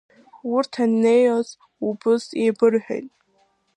Убырҭ анеиниоз убыс еибырҳәет…